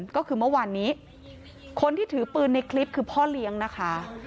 ก็คือเมื่อวานนี้คนที่ถือปืนในคลิปคือพ่อเลี้ยงนะคะ